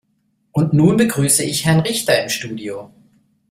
Und nun begrüße ich Herrn Richter im Studio.